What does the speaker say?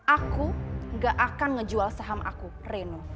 aku gak akan ngejual saham aku reno